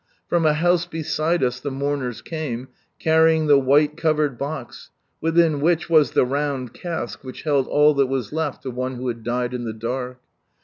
From a house beside us the mourners came, carrj'ing the white covered box, within which was the round cask which held all that was left of one who had died in the dark.